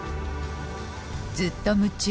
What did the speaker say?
ずっと夢中。